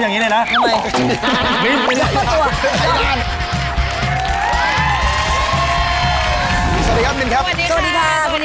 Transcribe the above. สวัสดีคะสวะดีครับ